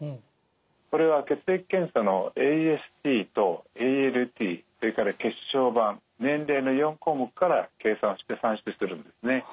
これは血液検査のＡＳＴとＡＬＴそれから血小板年齢の４項目から計算して算出してるんですね。